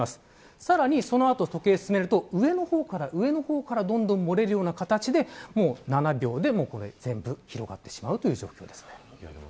さらにその後、時計を進めると上の方からどんどん漏れるような形で７秒で全部広がってしまうという状況です。